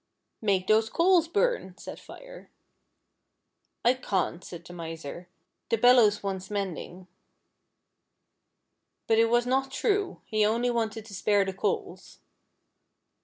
"Make those coals burn," said Fire. "I can't," said the Miser; "the bellows wants mend ing." But it was not true, he only wanted to spare the coals.